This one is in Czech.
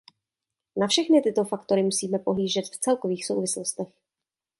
Na všechny tyto faktory musíme nahlížet v celkových souvislostech.